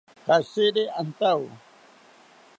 Katshiri antawo